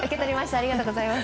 ありがとうございます。